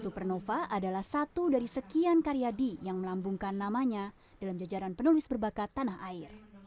supernova adalah satu dari sekian karyadi yang melambungkan namanya dalam jajaran penulis berbakat tanah air